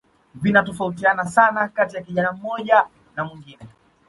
Vinatofautiana sana kati ya kijana mmoja na mwingine